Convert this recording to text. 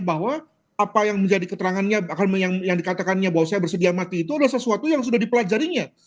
bahwa apa yang menjadi keterangannya yang dikatakannya bahwa saya bersedia mati itu adalah sesuatu yang sudah dipelajarinya